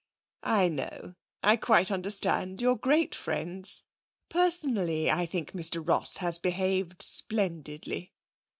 'I know. I quite understand. You're great friends. Personally, I think Mr Ross has behaved splendidly.'